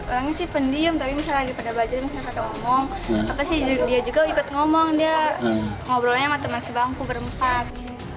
orangnya sih pendiam tapi misalnya di pada baju misalnya pada ngomong dia juga ikut ngomong dia ngobrolnya sama teman sebangku berempat